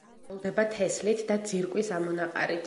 მრავლდება თესლით და ძირკვის ამონაყარით.